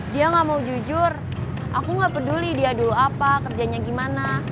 dia gak mau jujur aku nggak peduli dia dulu apa kerjanya gimana